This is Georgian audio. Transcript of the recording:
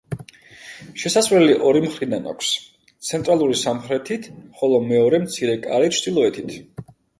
შესასვლელი ორი მხრიდან აქვს; ცენტრალური სამხრეთით, ხოლო მეორე, მცირე კარი ჩრდილოეთით.